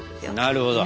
なるほど。